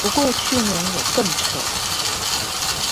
不過去年有更扯的